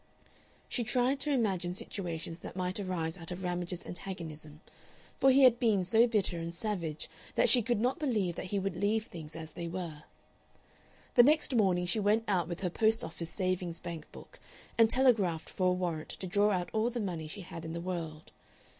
She tried to imagine situations that might arise out of Ramage's antagonism, for he had been so bitter and savage that she could not believe that he would leave things as they were. The next morning she went out with her post office savings bank book, and telegraphed for a warrant to draw out all the money she had in the world.